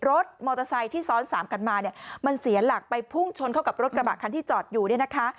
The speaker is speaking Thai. รถมอเตอร์ไซค์ที่ซ้อนสามกันมาเนี่ยมันเสียหลักไปพุ่งชนเข้ากับรถกระบะคันที่จอดอยู่เนี่ยนะคะ